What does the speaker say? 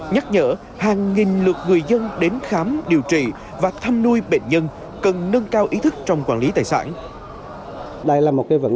nhắc nhở hàng nghìn lượt người dân đến khám điều trị và thăm nuôi bệnh nhân cần nâng cao ý thức trong quản lý tài sản